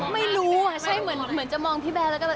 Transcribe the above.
ไม่รู้อ่ะใช่เหมือนจะมองพี่แบร์แล้วก็แบบ